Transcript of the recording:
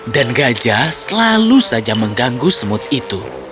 dan gajah selalu saja mengganggu semut itu